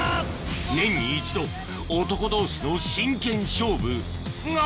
年に１度男同士の真剣勝負が！